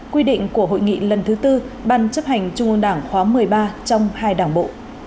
quy định của hội nghị lần thứ tư ban chấp hành trung ương đảng khóa một mươi ba trong hai đảng bộ